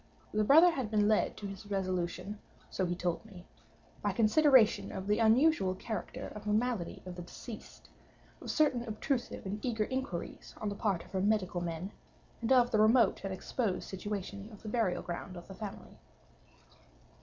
The brother had been led to his resolution (so he told me) by consideration of the unusual character of the malady of the deceased, of certain obtrusive and eager inquiries on the part of her medical men, and of the remote and exposed situation of the burial ground of the family.